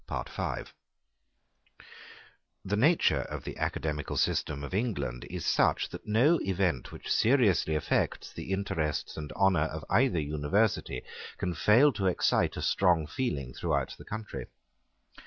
The nature of the academical system of England is such that no event which seriously affects the interests and honour of either University can fail to excite a strong feeling throughout the country.